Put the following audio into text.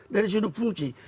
dari sudut fungsi